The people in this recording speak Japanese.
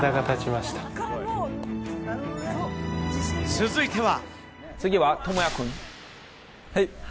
続いては。